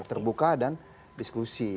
terbuka dan diskusi